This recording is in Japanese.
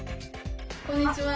こんにちは。